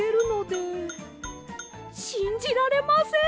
しんじられません！